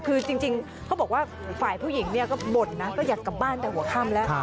คือจริงเขาบอกว่าฝ่ายผู้หญิงเนี่ยก็บ่นนะก็อยากกลับบ้านแต่หัวค่ำแล้ว